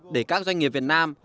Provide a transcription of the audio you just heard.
để các doanh nghiệp việt nam